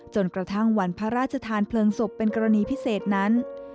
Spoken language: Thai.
จนกระทั่งวันพระราชทานเพลิงศพเป็นกรณีพิเศษนั้น